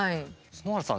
春原さん